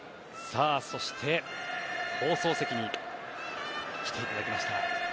そして、放送席に来ていただきました。